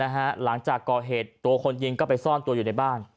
หลังจากก่อเหตุตัวคนยิงก็ไปซ่อนตัวอยู่ในบ้าน